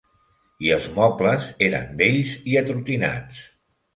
I els mobles eren vells i atrotinats.